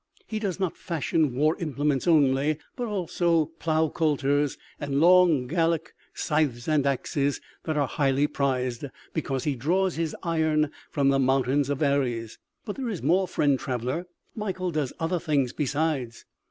He does not fashion war implements only, but also plow coulters and long Gallic scythes and axes that are highly prized, because he draws his iron from the mountains of Arres.... But there is more, friend traveler.... Mikael does other things besides.